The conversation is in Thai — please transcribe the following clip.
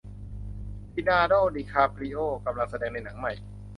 ลีโอนาโด้ดีคาปริโอ้กำลังแสดงในหนังใหม่